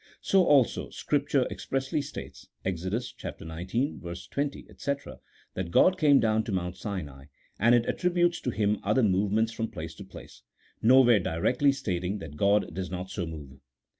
So, also, Scripture expressly states (Exod. xix. 20, &c.) that God came down to Mount Sinai, and it attributes to Him other movements from place to place, nowhere directly stating that God does not so move.